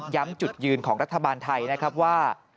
จุดยืนของรัฐบาลไทยนะครับว่า